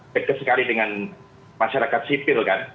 dekat sekali dengan masyarakat sipil kan